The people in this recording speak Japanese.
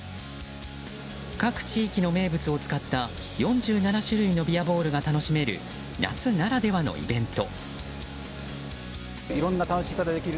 各地域の名物を使った４７種類のビアボールが楽しめる夏ならではのイベント。